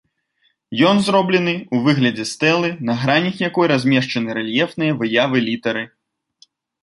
Ён зроблены ў выглядзе стэлы, на гранях якой размешчаны рэльефныя выявы літары.